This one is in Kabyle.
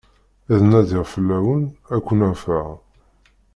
Ad nadiɣ fell-awen, ad ken-afeɣ.